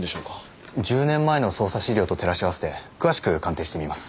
１０年前の捜査資料と照らし合わせて詳しく鑑定してみます。